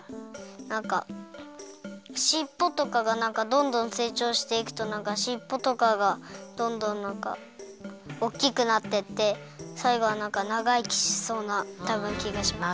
なんかしっぽとかがなんかどんどんせいちょうしていくとなんかしっぽとかがどんどんなんかおっきくなってってさいごはなんかながいきしそうなたぶんきがします。